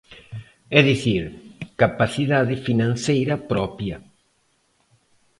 É dicir, capacidade financeira propia.